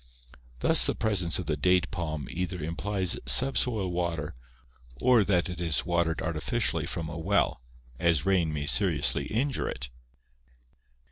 Thus the presence of the date palm either implies subsoil water or that it is watered artificially from a well, as rain may seriously injure it.